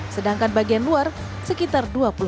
sedangkan bagian luar sekitar dua puluh